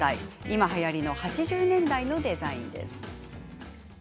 今、はやりの８０年代のデザインです。